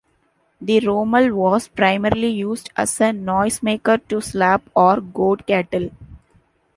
The "romal" was primarily used as a noisemaker to slap or goad cattle.